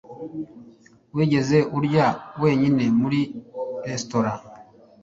Wigeze urya wenyine muri resitora?